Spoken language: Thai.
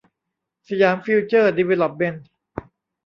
สยามฟิวเจอร์ดีเวลอปเมนท์